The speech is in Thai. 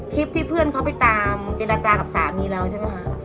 คลิปที่เพื่อนเขาไปตามเจรจากับสามีเราใช่ไหมคะ